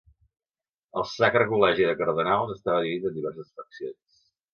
El Sacre Col·legi de Cardenals estava dividit en diverses faccions.